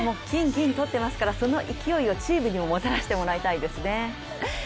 金銀とっていますから、その勢いをチームにももたらしてもらいたいですね。